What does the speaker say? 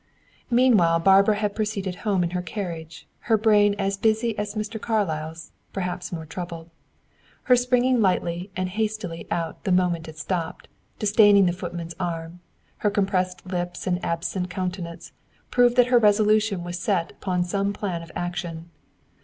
Meanwhile Barbara had proceeded home in her carriage, her brain as busy as Mr. Carlyle's, perhaps more troubled. Her springing lightly and hastily out the moment it stopped, disdaining the footman's arm, her compressed lips and absent countenance, proved that her resolution was set upon some plan of action.